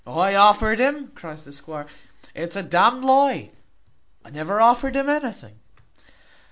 "I offered him!" cries the squire; "it is a d n'd lie! I never offered him anything."